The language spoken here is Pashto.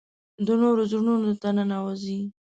د نورو زړونو ته ننوځي .